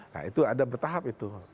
nah itu ada bertahap itu